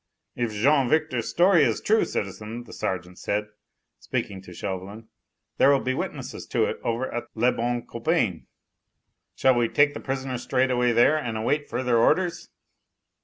"If Jean Victor's story is true, citizen," their sergeant said, speaking to Chauvelin, "there will be witnesses to it over at 'Le Bon Copain.' Shall we take the prisoner straightway there and await further orders?"